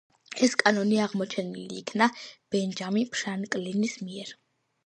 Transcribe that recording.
ეს კანონი აღმოჩენილი იქნა ბენჯამინ ფრანკლინის მიერ.